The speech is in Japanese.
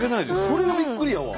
それがびっくりやわ。